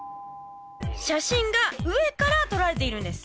写真が上から撮られているんです。